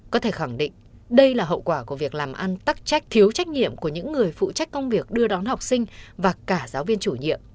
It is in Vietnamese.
có thể khẳng định đây là hậu quả của việc làm ăn tắc trách thiếu trách nhiệm của những người phụ trách công việc đưa đón học sinh và cả giáo viên chủ nhiệm